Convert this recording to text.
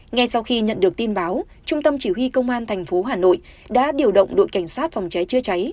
ngay sau khi nhận được tin báo trung tâm chỉ huy công an thành phố hà nội đã điều động đội cảnh sát phòng cháy chưa cháy